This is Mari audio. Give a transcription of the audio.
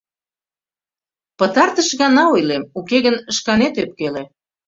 — Пытартыш гана ойлем, уке гын шканет ӧпкеле.